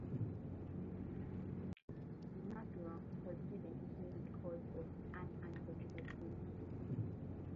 Nathuram was given his name because of an unfortunate incident.